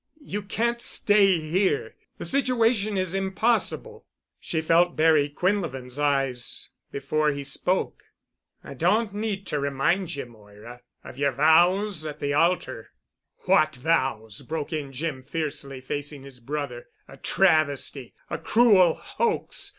You can't stay here. The situation is impossible." She felt Barry Quinlevin's eyes before he spoke. "I don't need to remind ye, Moira—of yer vows at the altar——" "What vows!" broke in Jim, fiercely facing his brother. "A travesty—a cruel hoax.